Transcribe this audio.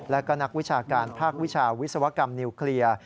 และก็นักวิชาการภาควิชาวิศวกรรมนิวเคลียร์